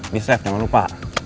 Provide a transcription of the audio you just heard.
be safe jangan lupa